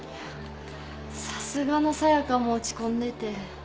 さすがの沙也加も落ち込んでて